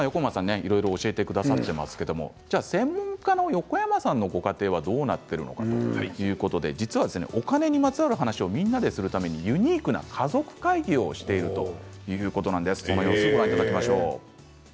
いろいろ教えてくださっていますが専門家の横山さんのご家庭ではどうなっているのか、実はお金にまつわる話をみんなでするためにユニークな家族会議をしているということなんです。